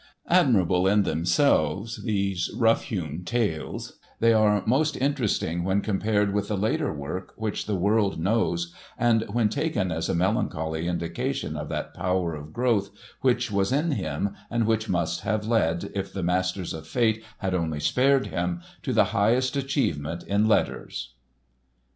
Admirable in themselves, these rough hewn tales, they are most interesting when compared with the later work which the world knows, and when taken as a melancholy indication of that power of growth which was in him and which must have led, if the masters of fate had only spared him, to the highest achievement in letters.